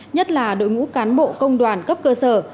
nhất là đội ngũ cán bộ công đoàn cấp cơ sở